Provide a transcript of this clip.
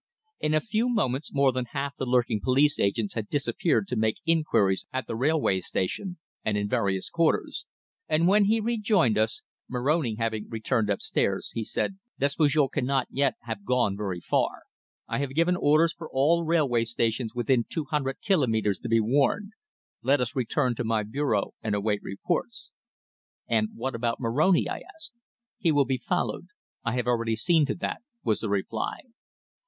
In a few moments more than half the lurking police agents had disappeared to make inquiries at the railway station and in various quarters, and when he rejoined us Moroni having returned upstairs he said: "Despujol cannot yet have gone very far. I have given orders for all railway stations within two hundred kilomètres to be warned. Let us return to my bureau and await reports." "And what about Moroni?" I asked. "He will be followed. I have already seen to that," was the reply.